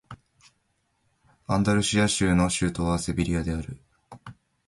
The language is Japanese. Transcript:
アンダルシア州の州都はセビリアである